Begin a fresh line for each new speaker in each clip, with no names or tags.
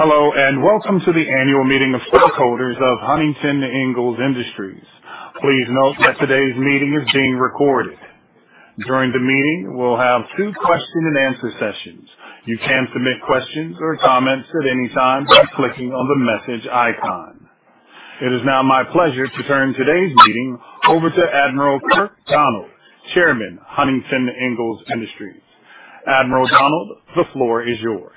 Hello, and welcome to the annual meeting of stockholders of Huntington Ingalls Industries. Please note that today's meeting is being recorded. During the meeting, we'll have two question-and-answer sessions. You can submit questions or comments at any time by clicking on the message icon. It is now my pleasure to turn today's meeting over to Admiral Kirk Donald, Chairman, Huntington Ingalls Industries. Admiral Donald, the floor is yours.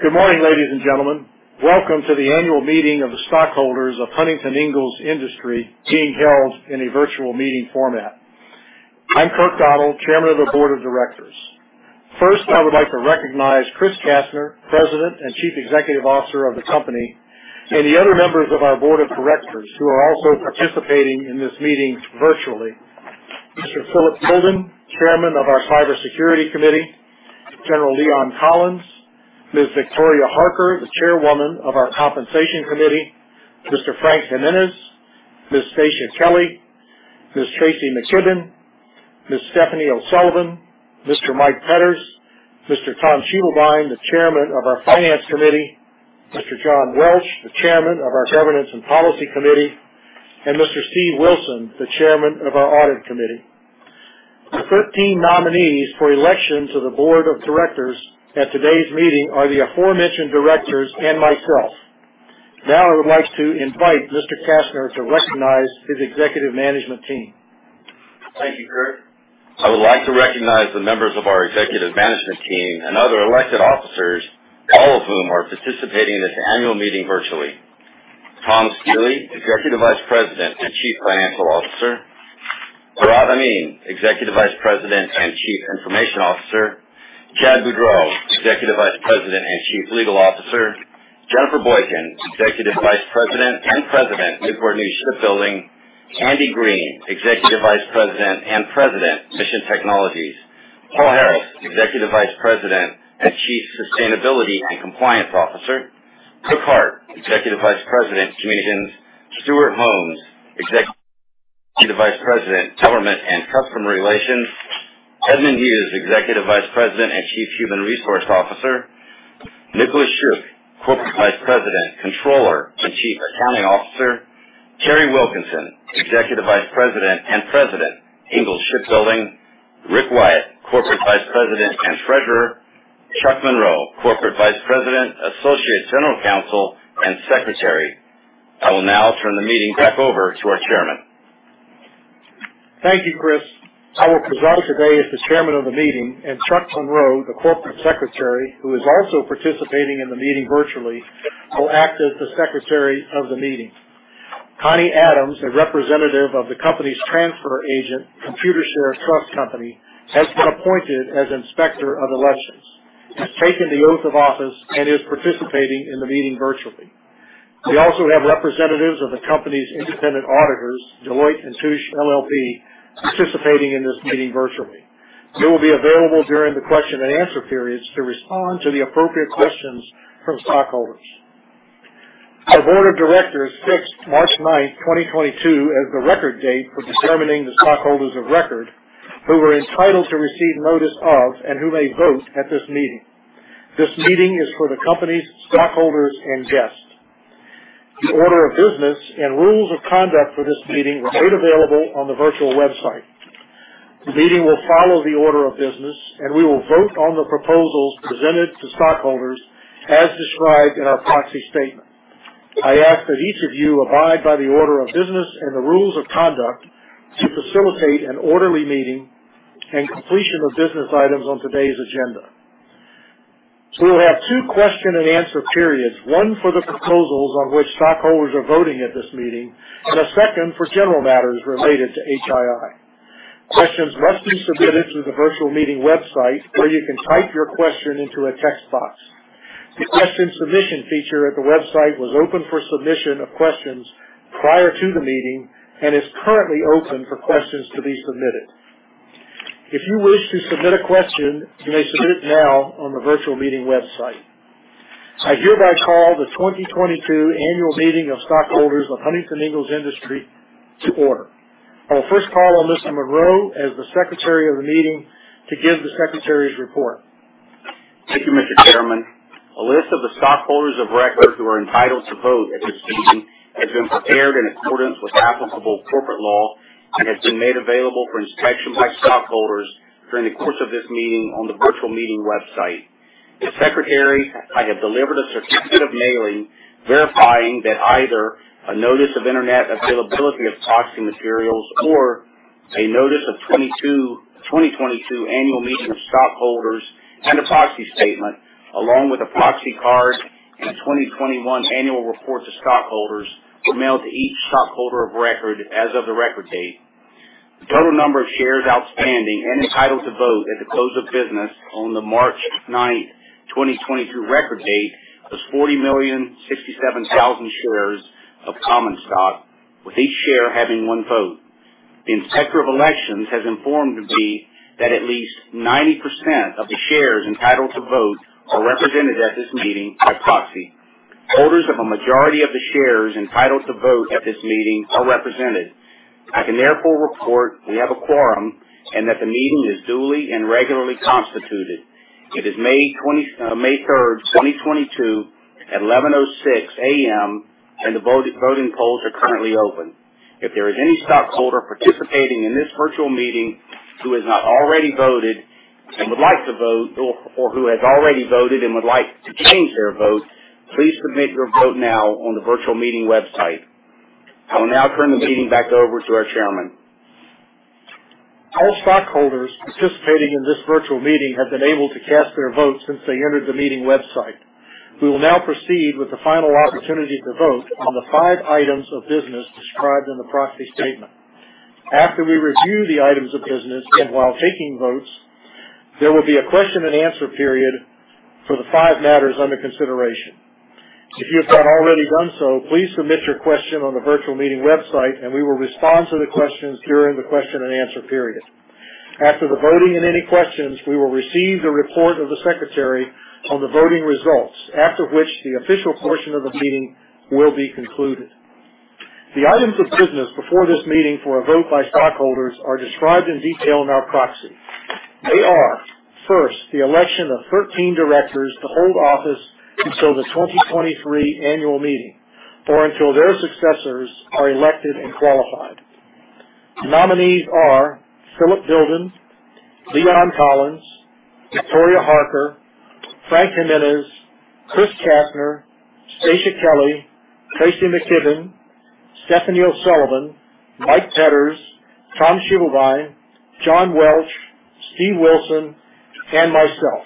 Good morning, ladies and gentlemen. Welcome to the annual meeting of the stockholders of Huntington Ingalls Industries being held in a virtual meeting format. I'm Kirk Donald, chairman of the board of directors. First, I would like to recognize Chris Kastner, president and chief executive officer of the company, and the other members of our board of directors who are also participating in this meeting virtually. Mr. Philip Bilden, chairman of our Cybersecurity Committee, General Leon Collins, Ms. Victoria Harker, the chairwoman of our Compensation Committee, Mr. Frank Jimenez, Ms. Stacia Kelly, Ms. Tracy McKibbin, Ms. Stephanie O'Sullivan, Mr. Mike Petters, Mr. Tom Schievelbein, the chairman of our Finance Committee, Mr. John Welch, the chairman of our Governance and Policy Committee, and Mr. Steve Wilson, the chairman of our Audit Committee. The 13 nominees for election to the board of directors at today's meeting are the aforementioned directors and myself. Now, I would like to invite Mr. Kastner to recognize his executive management team.
Thank you, Kirk. I would like to recognize the members of our executive management team and other elected officers, all of whom are participating in this annual meeting virtually. Tom Stiehle, Executive Vice President and Chief Financial Officer. Bharat Amin, Executive Vice President and Chief Information Officer. Chad Boudreaux, Executive Vice President and Chief Legal Officer. Jennifer Boykin, Executive Vice President and President, Newport News Shipbuilding. Andy Green, Executive Vice President and President, Mission Technologies. Paul Harris, Executive Vice President and Chief Sustainability and Compliance Officer. Brooke Hart, Executive Vice President, Communications. Stewart Holmes, Executive Vice President, Government and Customer Relations. Edmond Hughes, Executive Vice President and Chief Human Resources Officer. Nicolas Schuck, Corporate Vice President, Controller and Chief Accounting Officer. Kari Wilkinson, Executive Vice President and President, Ingalls Shipbuilding. Rick Wyatt, Corporate Vice President and Treasurer. Chuck Monroe, Corporate Vice President, Associate General Counsel and Secretary. I will now turn the meeting back over to our chairman.
Thank you, Chris. I will preside today as the chairman of the meeting, and Chuck Monroe, the corporate secretary, who is also participating in the meeting virtually, will act as the secretary of the meeting. Connie Adams, a representative of the company's transfer agent, Computershare Trust Company, has been appointed as inspector of elections, has taken the oath of office and is participating in the meeting virtually. We also have representatives of the company's independent auditors, Deloitte & Touche LLP, participating in this meeting virtually. They will be available during the question-and-answer periods to respond to the appropriate questions from stockholders. Our board of directors fixed March ninth, 2022 as the record date for determining the stockholders of record who were entitled to receive notice of and who may vote at this meeting. This meeting is for the company's stockholders and guests. The order of business and rules of conduct for this meeting were made available on the virtual website. The meeting will follow the order of business, and we will vote on the proposals presented to stockholders as described in our proxy statement. I ask that each of you abide by the order of business and the rules of conduct to facilitate an orderly meeting and completion of business items on today's agenda. We'll have two question-and-answer periods, one for the proposals on which stockholders are voting at this meeting, and a second for general matters related to HII. Questions must be submitted through the virtual meeting website, where you can type your question into a text box. The question submission feature at the website was open for submission of questions prior to the meeting and is currently open for questions to be submitted. If you wish to submit a question, you may submit it now on the virtual meeting website. I hereby call the 2022 annual meeting of stockholders of Huntington Ingalls Industries to order. I will first call on Mr. Monroe as the secretary of the meeting to give the secretary's report.
Thank you, Mr. Chairman. A list of the stockholders of record who are entitled to vote at this meeting has been prepared in accordance with applicable corporate law and has been made available for inspection by stockholders during the course of this meeting on the virtual meeting website. As secretary, I have delivered a certificate of mailing verifying that either a notice of internet availability of proxy materials or a notice of 2022 annual meeting of stockholders and a proxy statement, along with a proxy card and a 2021 annual report to stockholders, were mailed to each stockholder of record as of the record date. The total number of shares outstanding and entitled to vote at the close of business on the March 9, 2022 record date, was 40,067,000 shares of common stock, with each share having one vote. The inspector of elections has informed me that at least 90% of the shares entitled to vote are represented at this meeting by proxy. Holders of a majority of the shares entitled to vote at this meeting are represented. I can therefore report we have a quorum and that the meeting is duly and regularly constituted. It is May third, 2022 at 11:06 A.M., and the voting polls are currently open. If there is any stockholder participating in this virtual meeting who has not already voted and would like to vote or who has already voted and would like to change their vote, please submit your vote now on the virtual meeting website. I will now turn the meeting back over to our chairman.
All stockholders participating in this virtual meeting have been able to cast their vote since they entered the meeting website. We will now proceed with the final opportunity to vote on the five items of business described in the proxy statement. After we review the items of business and while taking votes, there will be a question and answer period for the five matters under consideration. If you have not already done so, please submit your question on the virtual meeting website, and we will respond to the questions during the question and answer period. After the voting and any questions, we will receive the report of the secretary on the voting results. After which, the official portion of the meeting will be concluded. The items of business before this meeting for a vote by stockholders are described in detail in our proxy. They are, first, the election of 13 directors to hold office until the 2023 annual meeting or until their successors are elected and qualified. The nominees are Philip Bilden, Leon Collins, Victoria Harker, Frank Jimenez, Chris Kastner, Stacia Kelly, Tracy McKibbin, Stephanie O'Sullivan, Mike Petters, Tom Schievelbein, John Welch, Steve Wilson, and myself.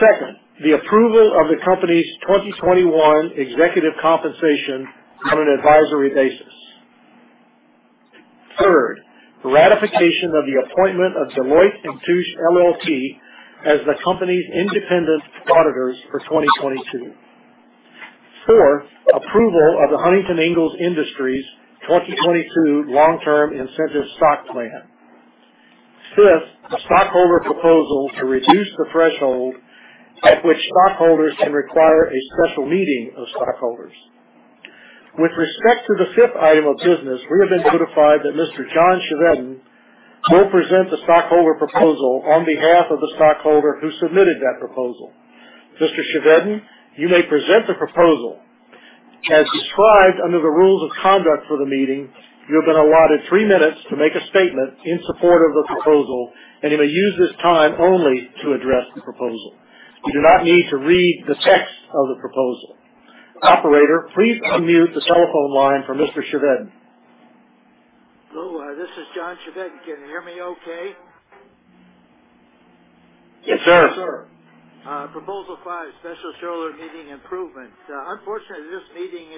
Second, the approval of the company's 2021 executive compensation on an advisory basis. Third, the ratification of the appointment of Deloitte & Touche LLP as the company's independent auditors for 2022. Four, approval of the Huntington Ingalls Industries 2022 Long-Term Incentive Stock Plan. Fifth, the stockholder proposal to reduce the threshold at which stockholders can require a special meeting of stockholders. With respect to the fifth item of business, we have been notified that Mr. John Chevedden will present the stockholder proposal on behalf of the stockholder who submitted that proposal. Mr. Chevedden, you may present the proposal. As described under the rules of conduct for the meeting, you have been allotted three minutes to make a statement in support of the proposal, and you may use this time only to address the proposal. You do not need to read the text of the proposal. Operator, please unmute the cell phone line for Mr. Chevedden.
Hello, this is John Chevedden. Can you hear me okay?
Yes, sir.
Yes, sir.
Proposal five, special shareholder meeting improvement. Unfortunately, this meeting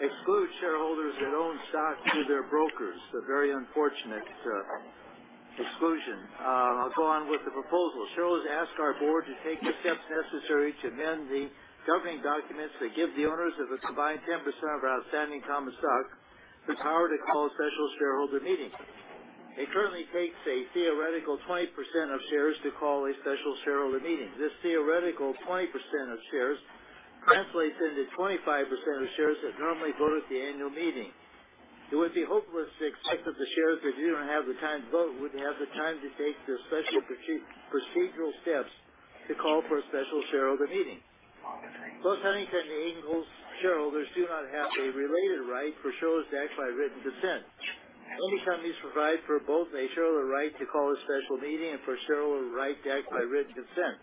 excludes shareholders that own stock through their brokers. A very unfortunate exclusion. I'll go on with the proposal. Shareholders ask our board to take the steps necessary to amend the governing documents that give the owners of a combined 10% of outstanding common stock the power to call special shareholder meetings. It currently takes a theoretical 20% of shares to call a special shareholder meeting. This theoretical 20% of shares translates into 25% of shares that normally vote at the annual meeting. It would be hopeless to expect that the shares that didn't have the time to vote wouldn't have the time to take the special procedural steps to call for a special shareholder meeting. Most Huntington Ingalls shareholders do not have a related right for shareholders to act by written consent. Many companies provide for both a shareholder right to call a special meeting and for shareholder right to act by written consent.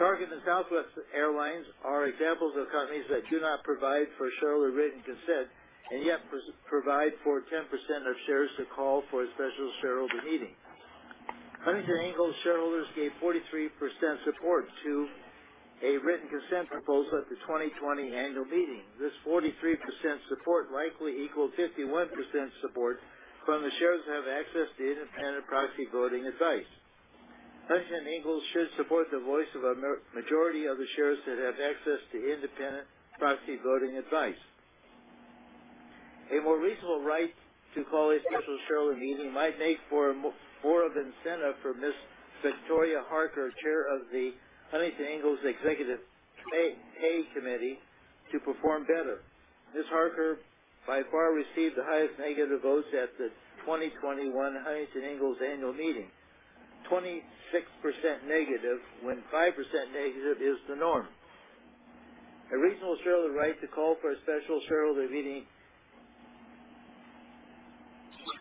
Target and Southwest Airlines are examples of companies that do not provide for shareholder written consent and yet provide for 10% of shares to call for a special shareholder meeting. Huntington Ingalls shareholders gave 43% support to a written consent proposal at the 2020 annual meeting. This 43% support likely equals 51% support from the shares that have access to independent proxy voting advice. Huntington Ingalls should support the voice of a majority of the shares that have access to independent proxy voting advice. A more reasonable right to call a special shareholder meeting might make for more of incentive for Ms. Victoria Harker, Chair of the Huntington Ingalls Compensation Committee, to perform better. Ms. Harker, by far, received the highest negative votes at the 2021 Huntington Ingalls annual meeting. 26% negative when 5% negative is the norm. A reasonable shareholder right to call for a special shareholder meeting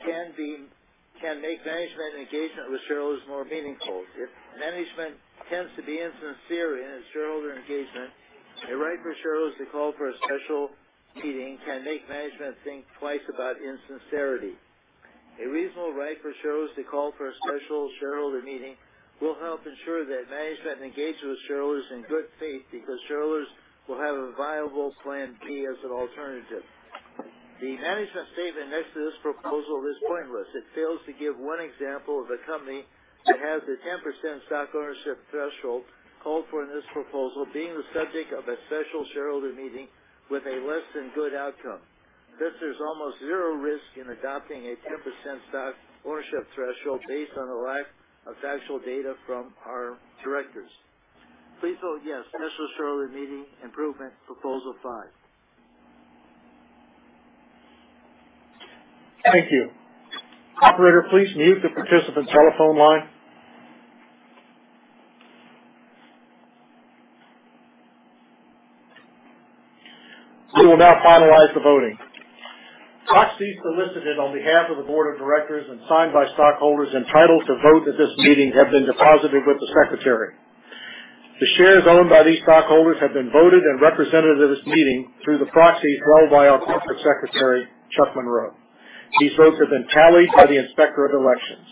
can make management engagement with shareholders more meaningful. If management tends to be insincere in its shareholder engagement, a right for shareholders to call for a special meeting can make management think twice about insincerity. A reasonable right for shareholders to call for a special shareholder meeting will help ensure that management engages with shareholders in good faith because shareholders will have a viable plan B as an alternative. The management statement next to this proposal is pointless. It fails to give one example of a company that has the 10% stock ownership threshold called for in this proposal being the subject of a special shareholder meeting with a less than good outcome. This is almost zero risk in adopting a 10% stock ownership threshold based on the lack of factual data from our directors. Please vote yes. This will surely meeting improvement proposal five.
Thank you. Operator, please mute the participant telephone line. We will now finalize the voting. Proxies solicited on behalf of the board of directors and signed by stockholders entitled to vote at this meeting have been deposited with the Secretary. The shares owned by these stockholders have been voted and represented at this meeting through the proxies held by our Corporate Secretary, Chuck Monroe. These votes have been tallied by the Inspector of Elections.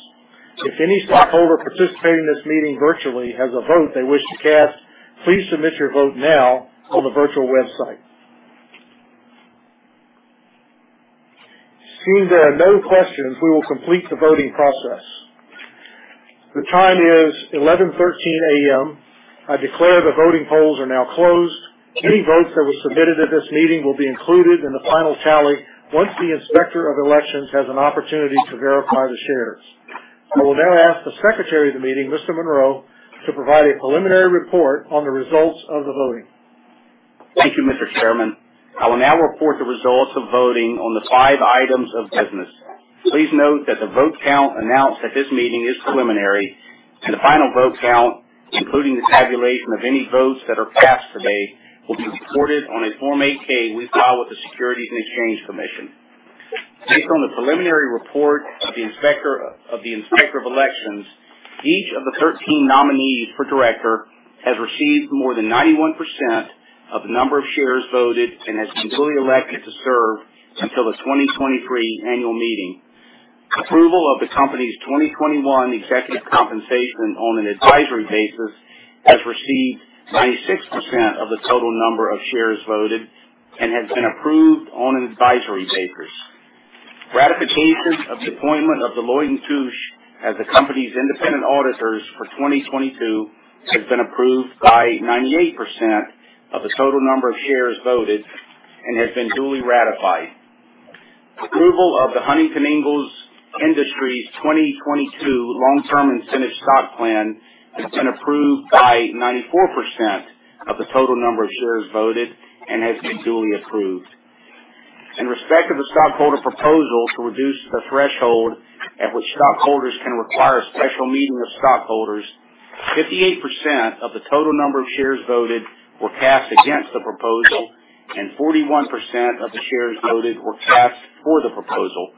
If any stockholder participating in this meeting virtually has a vote they wish to cast, please submit your vote now on the virtual website. Seeing there are no questions, we will complete the voting process. The time is 11:13 A.M. I declare the voting polls are now closed. Any votes that were submitted at this meeting will be included in the final tally once the Inspector of Elections has an opportunity to verify the shares. I will now ask the Secretary of the meeting, Mr. Monroe, to provide a preliminary report on the results of the voting.
Thank you, Mr. Chairman. I will now report the results of voting on the five items of business. Please note that the vote count announced at this meeting is preliminary, and the final vote count, including the tabulation of any votes that are cast today, will be reported on a Form 8-K we file with the Securities and Exchange Commission. Based on the preliminary report of the Inspector of Elections, each of the 13 nominees for director has received more than 91% of the number of shares voted and has been duly elected to serve until the 2023 annual meeting. Approval of the company's 2021 executive compensation on an advisory basis has received 96% of the total number of shares voted and has been approved on an advisory basis. Ratification of the appointment of Deloitte & Touche as the company's independent auditors for 2022 has been approved by 98% of the total number of shares voted and has been duly ratified. Approval of the Huntington Ingalls Industries 2022 Long-Term Incentive Stock Plan has been approved by 94% of the total number of shares voted and has been duly approved. In respect of the stockholder proposal to reduce the threshold at which stockholders can require a special meeting of stockholders, 58% of the total number of shares voted were cast against the proposal, and 41% of the shares voted were cast for the proposal.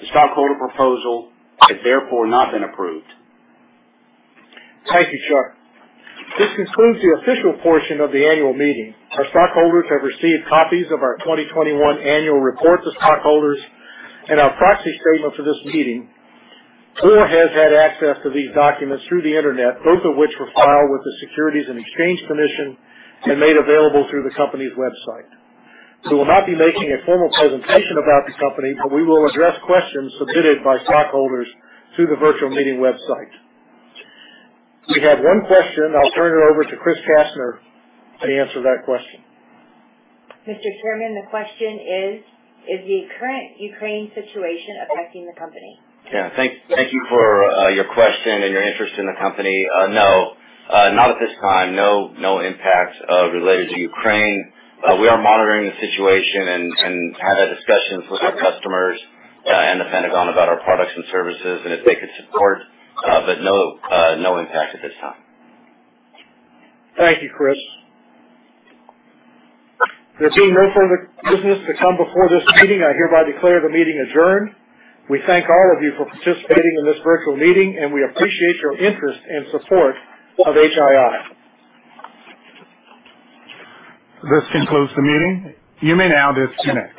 The stockholder proposal has therefore not been approved.
Thank you, Chuck. This concludes the official portion of the annual meeting. Our stockholders have received copies of our 2021 annual report to stockholders and our proxy statement for this meeting, or has had access to these documents through the Internet, both of which were filed with the Securities and Exchange Commission and made available through the company's website. We will not be making a formal presentation about the company, but we will address questions submitted by stockholders through the virtual meeting website. We have one question. I'll turn it over to Chris Kastner to answer that question.
Mr. Chairman, the question is: Is the current Ukraine situation affecting the company?
Yeah. Thank you for your question and your interest in the company. No. Not at this time. No impact related to Ukraine. We are monitoring the situation and have had discussions with our customers and the Pentagon about our products and services and if they could support, but no impact at this time.
Thank you, Chris. There being no further business to come before this meeting, I hereby declare the meeting adjourned. We thank all of you for participating in this virtual meeting, and we appreciate your interest and support of HII. This concludes the meeting. You may now disconnect.